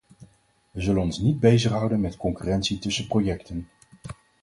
Wij zullen ons niet bezighouden met concurrentie tussen projecten.